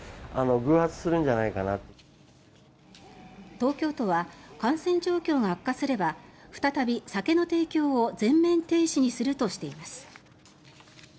東京都は感染状況が悪化すれば再び酒の提供を全面停止にするとしています。